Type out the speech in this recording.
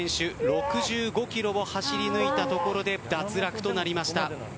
６５ｋｍを走り抜いたところで脱落となりました。